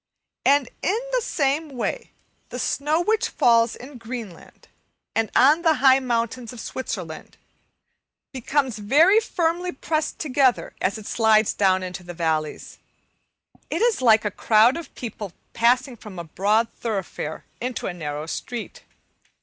And in the same way the snow which falls in Greenland and on the high mountains of Switzerland becomes very firmly pressed together, as it slides down into the valleys. It is like a crowd of people passing from a broad thoroughfare into a narrow street.